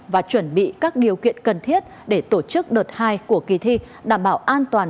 và chuẩn bị các điều kiện cần thiết để tổ chức đợt hai của kỳ thi đảm bảo an toàn